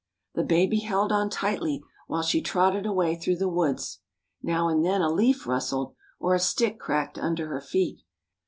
The baby held on tightly, while she trotted away through the woods. Now and then a leaf rustled or a stick cracked under her feet.